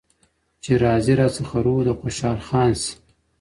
چي راضي راڅخه روح د خوشحال خان سي